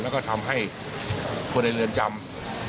แล้วก็ทำให้คนในเรือนจำ